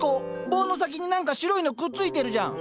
棒の先に何か白いのくっついてるじゃん。